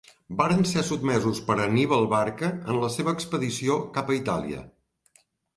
Varen ser sotmesos per Anníbal Barca en la seva expedició cap a Itàlia.